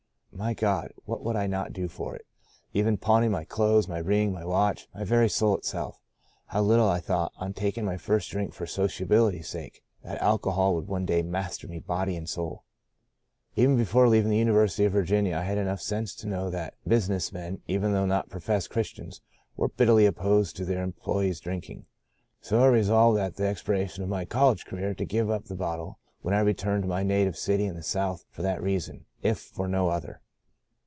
My God ! what would I not do for it — even pawning my clothes, my ring, my watch, my very soul itself. How little I thought, on taking my first drink for sociability's sake, that alcohol would one day master me body and soul !Even before leaving the University of Virginia I had enough sense to know that business men, even though not professed Christians, were bitterly opposed to their employees drinking. So I resolved at the expiration of my college career to give up the bottle when I returned to my native city in the South for that reason, if for no other.